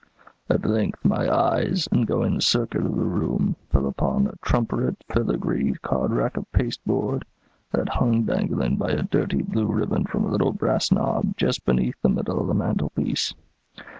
"At length my eyes, in going the circuit of the room, fell upon a trumpery filigree card rack of pasteboard, that hung dangling by a dirty blue ribbon from a little brass knob just beneath the middle of the mantelpiece.